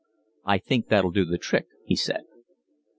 "I think that'll do the trick," he said.